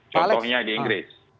contohnya di inggris